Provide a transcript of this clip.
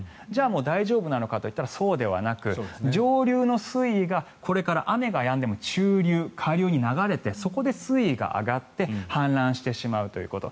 もう大丈夫なのかというとそうではなく上流の水位がこれから雨がやんでも中流、下流に流れてそこで水位が上がって氾濫してしまうということ。